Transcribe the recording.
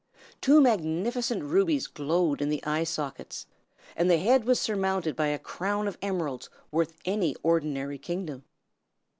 Two magnificent rubies glowed in the eye sockets, and the head was surmounted by a crown of emeralds worth any ordinary kingdom.